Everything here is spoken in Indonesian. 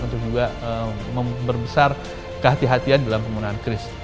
untuk juga memperbesar kehatian kehatian dalam penggunaan kris